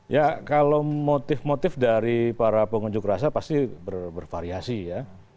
ya kalau motif motif dari para pengunjuk rasa pasti bervariasi ya